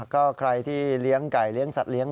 ก็ใครที่เลี้ยงไก่เลี้ยงสัตเลี้ย